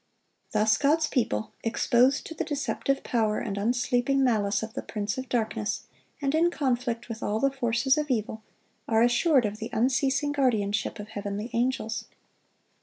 Thus God's people, exposed to the deceptive power and unsleeping malice of the prince of darkness, and in conflict with all the forces of evil, are assured of the unceasing guardianship of heavenly angels.